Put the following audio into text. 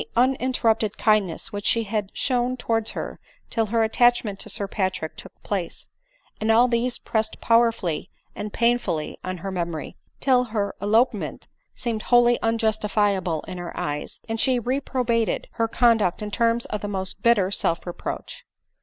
91 uninterrupted kindness which she had shown towards her till her attachment to Sir Patrick took place — all these pressed powerfully and painfully on her memory, till her elopement seemed wholly unjustifiable in her eyes, and she reprobated her conduct in terms of the most bitter self reproach.